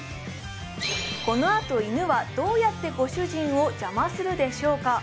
このあと犬はどうやってご主人をジャマするでしょうか？